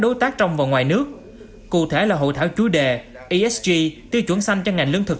đối tác trong và ngoài nước cụ thể là hội thảo chú đề esg tiêu chuẩn xanh cho ngành lương thực